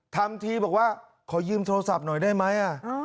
ทำทีบอกว่าขอยืมโทรศัพท์หน่อยได้ไหม